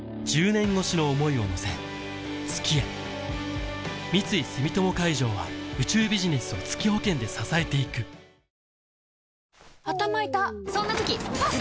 １０年越しの想いを乗せ月へ三井住友海上は宇宙ビジネスを月保険で支えていく頭イタッ